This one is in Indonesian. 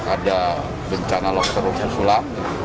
ada bencana longsor rusak sulap